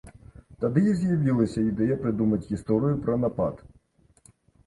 Тады і з'явілася ідэя прыдумаць гісторыю пра напад.